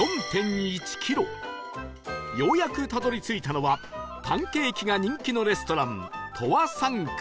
ようやくたどり着いたのはパンケーキが人気のレストラン